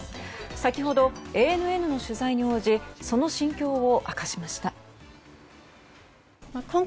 先ほど、ＡＮＮの取材に応じその心境を明かしました。